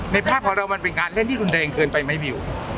ภาพของเรามันเป็นการเล่นที่รุนแรงเกินไปไหมบิว